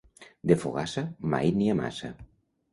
De fogassa mai n'hi ha massa.